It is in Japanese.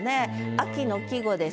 秋の季語です。